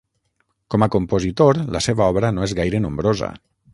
Com a compositor la seva obra no és gaire nombrosa.